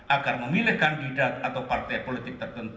agar memilih kandidat atau partai